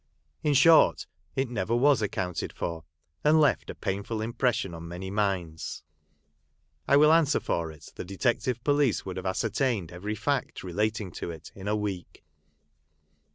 In short it never was accounted for ; and left a painful impression on many minds. I will answer lor it the Detective Police would have ascertained every fact relating to it in a week.